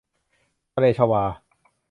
ทะเลชวา